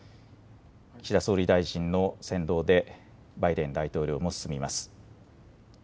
岸田総理大臣の先導でバイデン大統領も進みます。